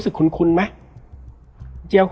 แล้วสักครั้งหนึ่งเขารู้สึกอึดอัดที่หน้าอก